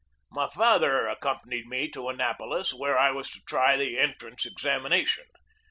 My father accompanied me to Annapolis, where I was to try the entrance examination.